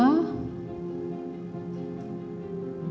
terus om joshua